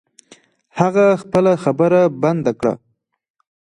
هغه خپله خبره بند کړه.